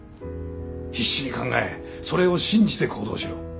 必死に考えそれを信じて行動しろ。